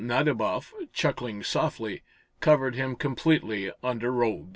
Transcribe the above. Nadiboff, chuckling softly, covered him completely under robes.